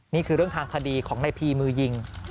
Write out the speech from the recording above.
นี่คือเรื่องทางคดีของในพีมือยิง